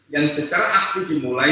yang secara aktif dimulai